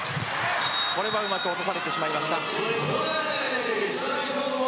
これはうまく落とされてしまいました。